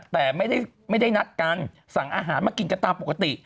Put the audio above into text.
แต่ไม่ได้นัดกันสั่งอาหารมากินกันตามปกติ